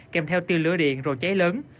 kèm theo tia lửa điện rồi cháy lớn